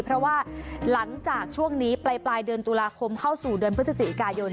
เพราะว่าหลังจากช่วงนี้ปลายเดือนตุลาคมเข้าสู่เดือนพฤศจิกายน